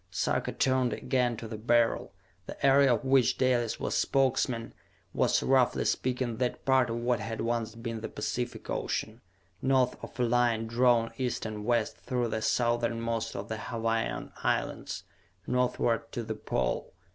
Sarka turned again to the Beryl. The area of which Dalis was Spokesman was, roughly speaking, that part of what had once been the Pacific Ocean, north of a line drawn east and west through the southernmost of the Hawaiian Islands, northward to the Pole.